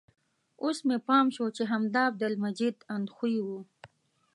اوس مې پام شو چې همدا عبدالمجید اندخویي و.